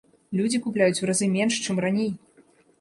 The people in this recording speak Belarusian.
Людзі купляюць у разы менш, чым раней!